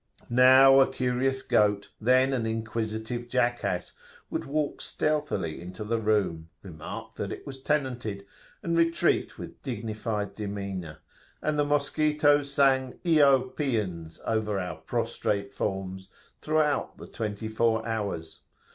Now a curious goat, then an inquisitive jackass, would walk stealthily into the room, remark that it was tenanted, and retreat with dignified demeanour, and the mosquitos sang Io Paeans over our prostrate forms throughout the twenty four hours.